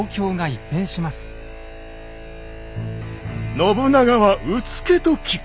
信長はうつけと聞く。